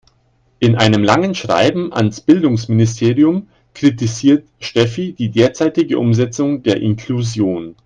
In einem langen Schreiben ans Bildungsministerium kritisiert Steffi die derzeitige Umsetzung der Inklusion.